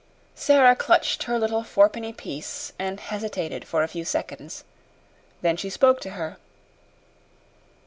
Sara clutched her little fourpenny piece and hesitated for a few seconds. Then she spoke to her.